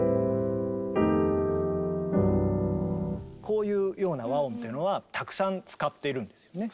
こういうような和音っていうのはたくさん使っているんですよね。